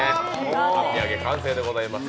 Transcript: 半身揚げ完成でございます。